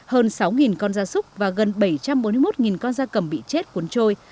hơn sáu con da súc và gần bảy trăm bốn mươi một con da cầm bị chết cuốn trôi